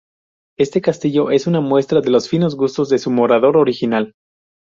Este castillo es una muestra de los finos gustos de su morador original.